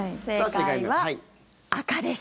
正解は赤です。